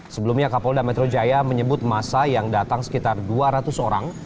sebelumnya kapolda metro jaya menyebut masa yang datang sekitar dua ratus orang